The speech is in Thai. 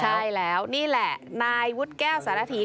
ใช่แล้วนี่แหละนายวุฒิแก้วสารธี